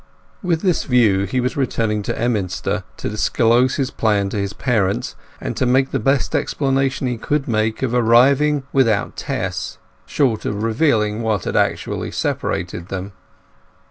With this view he was returning to Emminster to disclose his plan to his parents, and to make the best explanation he could make of arriving without Tess, short of revealing what had actually separated them.